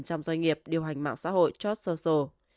trong doanh nghiệp điều hành mạng xã hội george soros